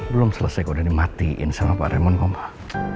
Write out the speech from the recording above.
belum selesai kau udah dimatiin sama pak remon kok pak